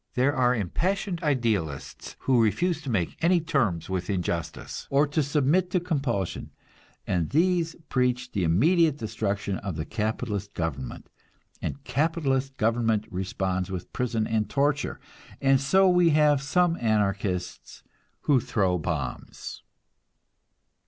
There are impassioned idealists who refuse to make any terms with injustice, or to submit to compulsion, and these preach the immediate destruction of capitalist government, and capitalist government responds with prison and torture, and so we have some Anarchists who throw bombs.